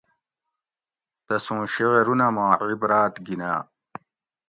تسوں شعرونہ ما عبراۤت گِناۤ